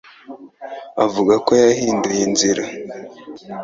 avuga ko yahinduye inzira.